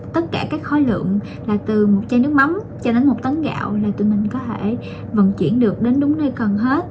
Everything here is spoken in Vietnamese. tất cả các khối lượng là từ một chai nước mắm cho đến một tấn gạo là tụi mình có thể vận chuyển được đến đúng nơi cần hết